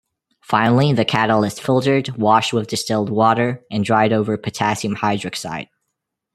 Finally the catalyst filtered, washed with distilled water, and dried over potassium hydroxide.